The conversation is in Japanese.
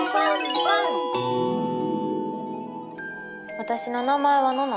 わたしの名前はのの。